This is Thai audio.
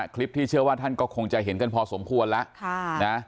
คลิปที่เชื่อว่าท่านก็คงจะเห็นกันพอสมควรแล้ว